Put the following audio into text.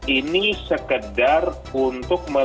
ini sekedar untuk melegislasi